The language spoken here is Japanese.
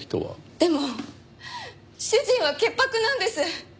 でも主人は潔白なんです！